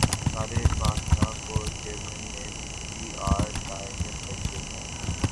طارق پاشا کو chairman F B R تعینات کردیاگیا